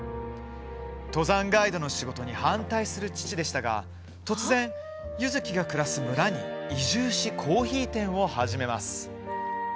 登山ガイドの仕事に反対する父でしたが突然、柚月が暮らす村に移住しコーヒー店を始めます。